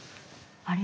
あれ？